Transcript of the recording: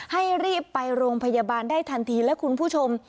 ให้รีบไปโรงพยาบาลได้ทันทีและคุณผู้ชม